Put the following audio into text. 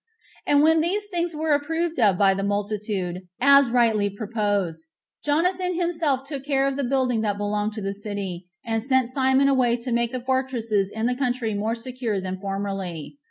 And when these things were approved of by the multitude, as rightly proposed, Jonathan himself took care of the building that belonged to the city, and sent Simon away to make the fortresses in the country more secure than formerly.